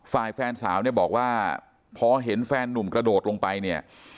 ฝ่ายแฟนสาวเนี่ยบอกว่าพอเห็นแฟนนุ่มกระโดดลงไปเนี่ย